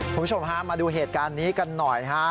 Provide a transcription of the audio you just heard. คุณผู้ชมฮะมาดูเหตุการณ์นี้กันหน่อยฮะ